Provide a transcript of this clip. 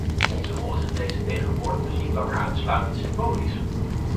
Onze rol in deze is tegenwoordig dus niet langer uitsluitend symbolisch.